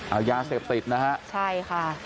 เอายาเสพติดนะฮะใช่ค่ะ